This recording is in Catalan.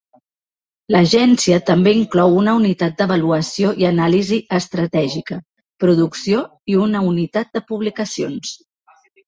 L'agència també inclou una unitat d'avaluació i anàlisi estratègica, producció i una unitat de publicacions.